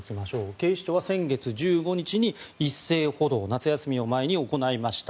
警視庁は先月１５日に一斉補導夏休みを前に行いました。